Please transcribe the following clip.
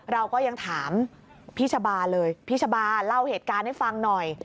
เราก็ยังถามพี่ชะบาเลยพี่ชะบาเล่าเหตุการณ์ให้ฟังหน่อย